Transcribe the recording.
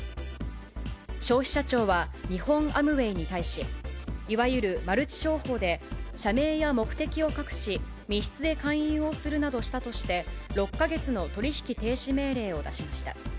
消費者庁は、日本アムウェイに対し、いわゆるマルチ商法で、社名や目的を隠し、密室で勧誘をするなどしたとして、６か月の取引停止命令を出しました。